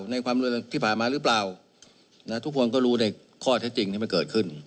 ในความรวยที่ผ่านมาหรือเปล่าทุกคนก็รู้ในข้อเท็จจริงที่มันเกิดขึ้น